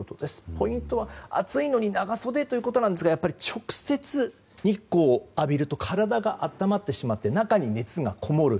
ポイントは暑いのに長袖ということですが直接、日光を浴びると体が温まってしまって中に熱がこもる。